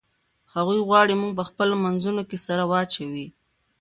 هغوی غواړي موږ په خپلو منځونو کې سره واچوي.